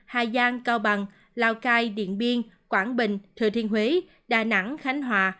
hà giang cao bằng lào cai điện biên quảng bình thừa thiên huế đà nẵng khánh hòa